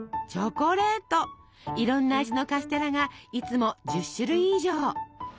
いろんな味のカステラがいつも１０種類以上。